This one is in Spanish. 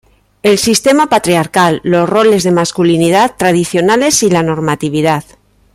el sistema patriarcal, los roles de masculinidad tradicionales y la normatividad